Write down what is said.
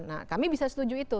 nah kami bisa setuju itu